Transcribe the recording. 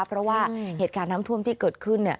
เพราะว่าเหตุการณ์น้ำท่วมที่เกิดขึ้น